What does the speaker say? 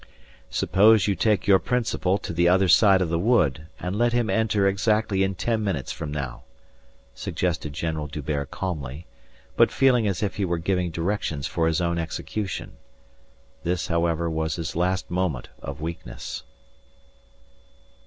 "Suppose you take your principal to the other side of the wood and let him enter exactly in ten minutes from now," suggested General D'Hubert calmly, but feeling as if he were giving directions for his own execution. This, however, was his last moment of weakness.